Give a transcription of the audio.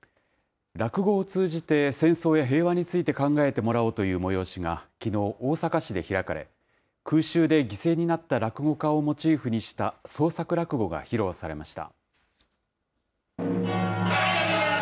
落語を通じて戦争や平和について考えてもらおうという催しがきのう、大阪市で開かれ、空襲で犠牲になった落語家をモチーフにした創作落語が披露されました。